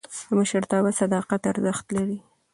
د مشرتابه صداقت ارزښت لري